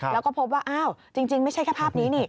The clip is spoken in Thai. แล้วก็พบว่าจริงไม่ใช่แค่ภาพนี้